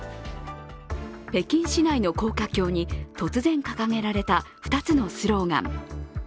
北京市内の高架橋に突然掲げられた２つのスローガン。